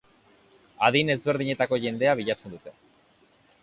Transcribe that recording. Adin ezberdinetako jendea bilatzen dute.